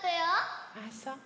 ああそう。